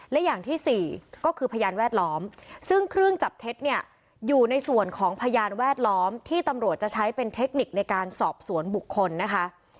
และอย่างที่สี่ก็คือพยานแวดล้อมซึ่งเครื่องจับเท็จเนี่ยอยู่ในส่วนของพยานแวดล้อมที่ตำรวจจะใช้เป็นเทคนิคในการสอบสวนบุคคลนะคะ